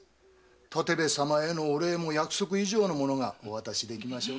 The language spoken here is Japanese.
建部様へのお礼も約束以上お渡しできましょう。